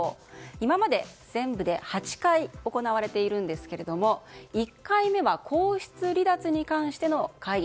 今まで全部で８回行われているんですけども１回目は皇室離脱に関しての会議。